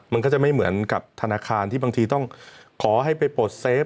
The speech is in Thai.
มันก็จะไม่เหมือนกับธนาคารที่บางทีต้องขอให้ไปปลดเซฟ